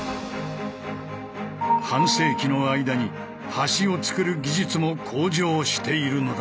半世紀の間に橋を造る技術も向上しているのだ。